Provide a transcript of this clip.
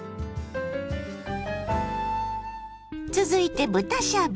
続いて豚しゃぶ。